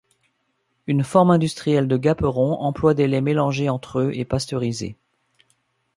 Une forme industrielle de gaperon emploie des laits mélangés entre eux et pasteurisés.